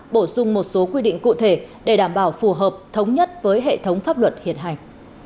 bổ sung một số quy định cụ thể để đảm bảo phù hợp thống nhất với hệ thống pháp luật hiện hành